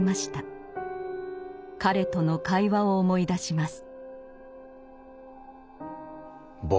彼との会話を思い出します。